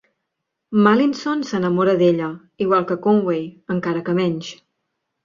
Mallinson s'enamora d'ella, igual que Conway, encara que menys.